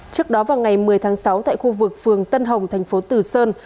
trước đó vào ngày một mươi tháng sáu tại khu vực phường tân hồng thành phố tử sơn